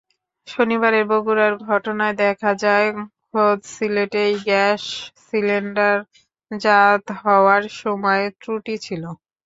শনিবারের বগুড়ার ঘটনায় দেখা যায়, খোদ সিলেটেই গ্যাস সিলিন্ডারজাত হওয়ার সময় ত্রুটি ছিল।